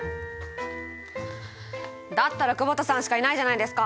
だったら久保田さんしかいないじゃないですか！